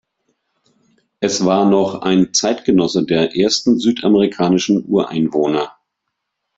Es war noch ein Zeitgenosse der ersten südamerikanischen Ureinwohner.